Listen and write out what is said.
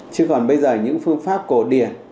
chứ còn bây giờ những phương pháp cổ điển